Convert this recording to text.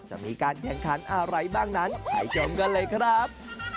จะมีการแข่งขันอะไรบ้างนั้นไปชมกันเลยครับ